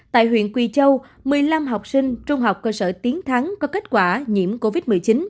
tại huyện quỳ châu một mươi năm học sinh trung học cơ sở tiến thắng có kết quả nhiễm covid một mươi chín